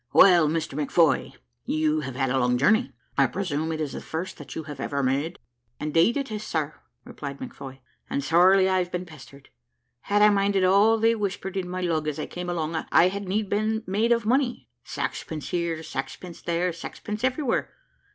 "Well, Mr McFoy, you have had a long journey; I presume it is the first that you have ever made." "Indeed it is, sir," replied McFoy; "and sorely I've been pestered. Had I minded all they whispered in my lug as I came along, I had need been made of money sax pence here, sax pence there, sax pence everywhere.